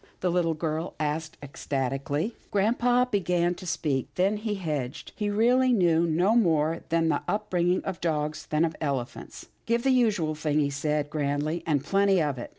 the little girl asked ecstatically. Grampa began to speak, then he hedged. He really knew no more about the up bringing of dogs than of elephants. " Give the usual thing," he said grandly, " and plenty of it."